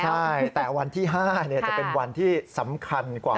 ใช่แต่วันที่๕จะเป็นวันที่สำคัญกว่า